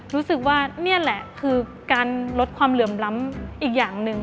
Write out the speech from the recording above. รู้สึกว่านี่แหละคือการลดความเหลื่อมล้ำอีกอย่างหนึ่ง